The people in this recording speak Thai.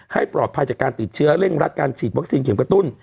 ให้ปลอดภัยจากการติดเชื้อเร่งรัดการฉีดวัคซีนเข็มกระตุ้น